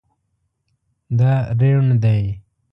دا ریڼ دی